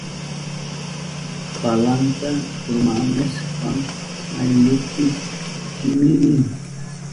Palanta urmanayashpan ayllunpi kimirin.